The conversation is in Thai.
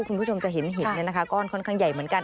คุณผู้ชมจะเห็นหินก้อนค่อนข้างใหญ่เหมือนกัน